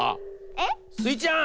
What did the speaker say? えっ？スイちゃん。